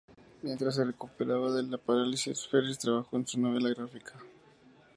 Mientras se recuperaba de la parálisis, Ferris trabajó en su novela gráfica.